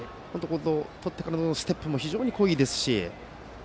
とってからのステップも非常にいいですし。